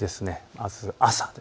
まず朝。